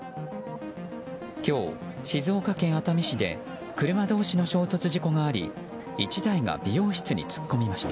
今日、静岡県熱海市で車同士の衝突事故があり１台が美容室に突っ込みました。